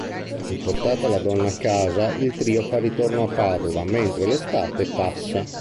Riportata la donna a casa, il trio fa ritorno a Padova mentre l'estate passa.